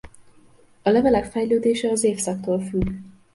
A levelek fejlődése az évszaktól függ.